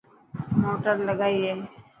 موٽر لگائي اي.